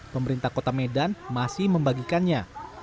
pemerintah kota medan masih membagikannya